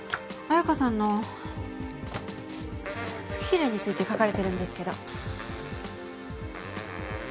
彩華さんの好き嫌いについて書かれてるんですけど。